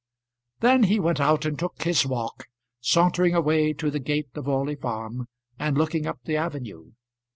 Then he went out and took his walk, sauntering away to the gate of Orley Farm, and looking up the avenue.